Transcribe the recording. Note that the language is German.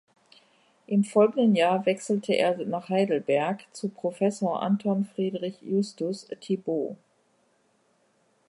Im folgenden Jahr wechselte er nach Heidelberg zu Professor Anton Friedrich Justus Thibaut.